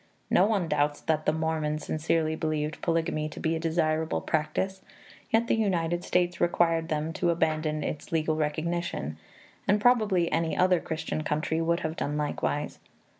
No one doubts that the Mormons sincerely believed polygamy to be a desirable practice, yet the United States required them to abandon its legal recognition, and probably any other Christian country would have done likewise.